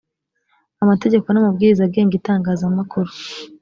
amategeko n’amabwiriza agenga itangazamakuru